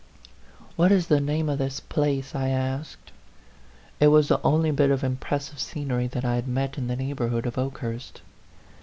" What is the name of this place?" I asked. It was the only bit of impressive scenery that I had met in the neighborhood of Oke hurst.